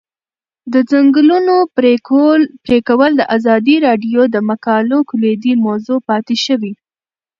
د ځنګلونو پرېکول د ازادي راډیو د مقالو کلیدي موضوع پاتې شوی.